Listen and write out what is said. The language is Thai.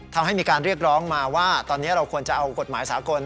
ทำให้มีการเรียกร้องมาว่าตอนนี้เราควรจะเอากฎหมายสากล